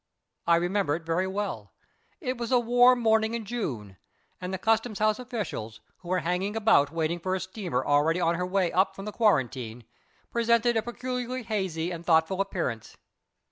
I remember it very well; it was a warm morning in June, and the Custom House officials, who were hanging about waiting for a steamer already on her way up from the Quarantine, presented a peculiarly hazy and thoughtful appearance.